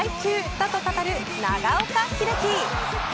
だと語る長岡秀樹。